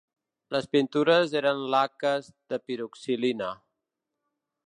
Les pintures eren laques de piroxilina.